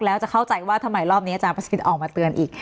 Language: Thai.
แล้วจะเข้าใจว่าทำไมรอบนี้อาจารย์ประสิทธิ์ออกมาเตือนอีก